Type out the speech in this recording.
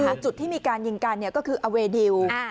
คือจุดที่มีการยิงกันเนี่ยก็คืออาเวเดียวอ่า